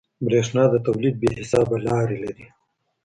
برېښنا د تولید بې حسابه لارې لري.